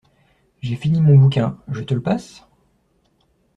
J'ai fini mon bouquin, je te le passe?